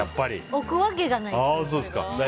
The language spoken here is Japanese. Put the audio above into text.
置くわけがないです。